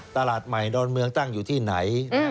ตลาดใหม่ดอนเมืองตั้งอยู่ที่ไหน